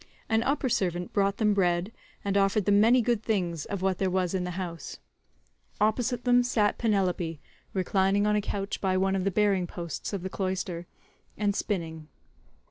An upper servant brought them bread and offered them many good things of what there was in the house. Opposite them sat Penelope, reclining on a couch by one of the bearing posts of the cloister, and spinning.